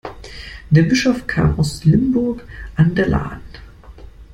Der Bischof kam aus Limburg an der Lahn.